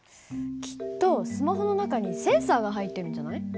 きっとスマホの中にセンサーが入ってるんじゃない？